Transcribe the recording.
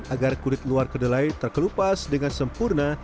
agar kulit luar kedelai terkelupas dengan sempurna